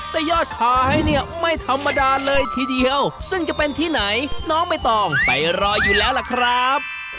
แต่ยอดขายเนี่ยไม่ธรรมดาเลยทีเดียวซึ่งจะเป็นที่ไหนน้องใบตองไปรออยู่แล้วล่ะครับ